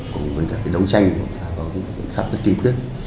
cùng với đấu tranh và pháp rất kim kết